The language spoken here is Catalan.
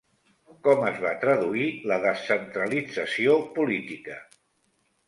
Com es va traduir la descentralització política?